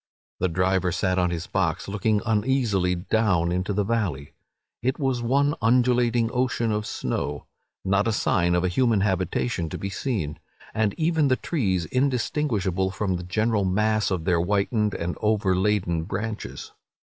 The driver sat on his box, looking uneasily down into the valley. It was one undulating ocean of snow—not a sign of a human habitation to be seen—and even the trees indistinguishable from the general mass by their whitened and overladen branches.